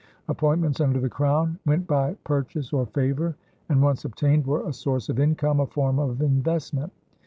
Appointments under the Crown went by purchase or favor, and, once obtained, were a source of income, a form of investment.